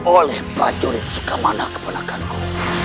oleh prajurit sukamana kepenakanku